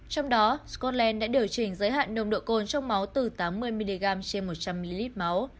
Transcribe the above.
trong đó scotland đã điều chỉnh giới hạn nồng độ cồn trong máu từ tám mươi mg trên một trăm linh ml máu